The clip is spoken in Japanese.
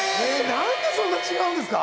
なんでそんな違うんですか？